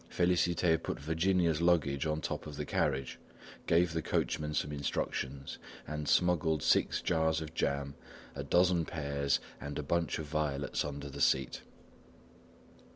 Félicité put Virginia's luggage on top of the carriage, gave the coachman some instructions, and smuggled six jars of jam, a dozen pears and a bunch of violets under the seat.